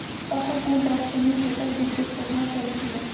তখন ওই বর্তনীর ভেতর বিদ্যুৎ–প্রবাহ চলছিল।